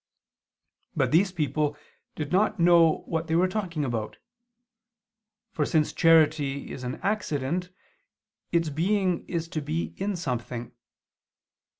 But these people did not know what they were talking about. For since charity is an accident, its being is to be in something.